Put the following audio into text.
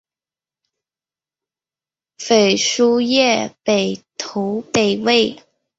裴叔业北投北魏。